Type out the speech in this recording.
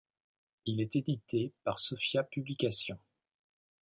Il est édité par Sophia Publications.